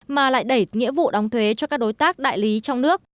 mà lại đẩy nghĩa vụ đóng thuế cho các đối tác đại lý trong nước